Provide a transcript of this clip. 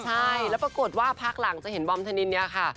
ใช่แล้วปรากฏว่าพักหลังจะเห็นบอมธนินเนี่ยค่ะ